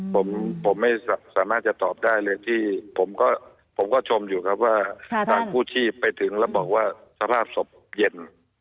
ผมผมไม่สามารถจะตอบได้เลยที่ผมก็ชมอยู่ครับว่าทางกู้ชีพไปถึงแล้วบอกว่าสภาพศพเย็น